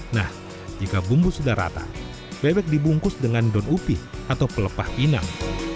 nah jika bumbu sudah rata bebek dibungkus dengan daun upi atau pelepah pinang